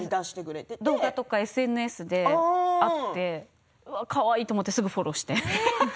動画とかＳＮＳであってかわいいと思ってすぐフォローして。